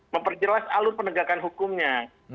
memperjelas alur penegakan hukumnya